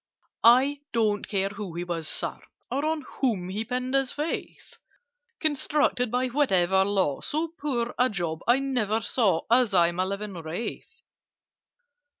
"I don't care who he was, Sir, or On whom he pinned his faith! Constructed by whatever law, So poor a job I never saw, As I'm a living Wraith!